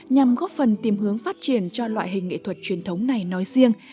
nhằm góp phần tìm hướng phát triển cho loại hình nghệ thuật truyền thống này nói riêng